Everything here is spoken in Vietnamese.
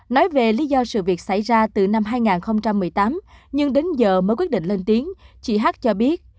nói về lý do sự việc xảy ra từ năm hai nghìn một mươi tám nhưng đến giờ mới quyết định lên tiếng chị h cho biết